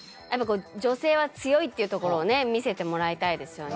女性は強いっていうところをね見せてもらいたいですよね